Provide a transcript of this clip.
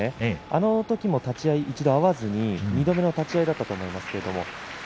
あのときも立ち合い一度合わず２度目の立ち合いでした。